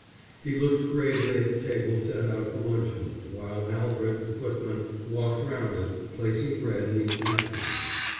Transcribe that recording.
He looked gravely at the table set out for luncheon, while Alfred, the footman, walked round it, placing bread in each napkin.